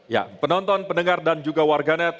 ya penonton pendengar dan juga warganet